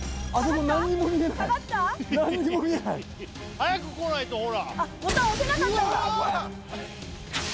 早く来ないと、ほら。